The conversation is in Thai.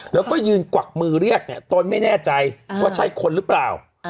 แล้วก็ยืนกวักมือเรียกเนี่ยตนไม่แน่ใจว่าใช่คนหรือเปล่า